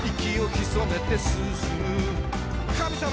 「神様！」